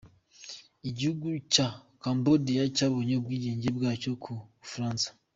Igihugu cya Cambodia cyabonye ubwigenge bwacyo ku Bufaransa.